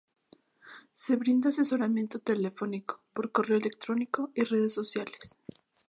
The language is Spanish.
Se brinda asesoramiento telefónico, por correo electrónico y redes sociales.